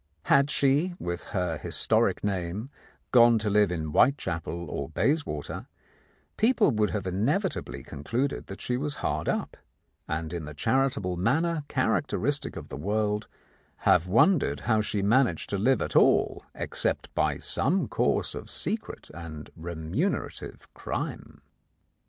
Had she, with her historic name, gone to live in Whitechapel or Bayswater, people would have inevitably concluded that she was hard up, and in the charitable manner characteristic of the world, have wondered how she managed to live at all except by some course of secret and remunerative crime.